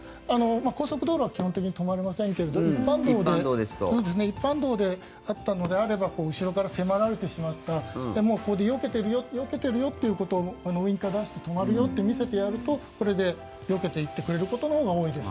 高速道路は基本的には止まりませんけど一般道であったのであれば後ろから迫られてしまったらもうここでよけてるよということをウィンカーを出して止まるよと見せてあげるとこれでよけていってくれることのほうが多いです。